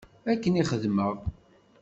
Akken i xeddmeɣ.